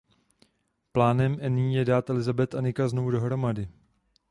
Plánem Annie je dát Elizabeth a Nicka znovu dohromady.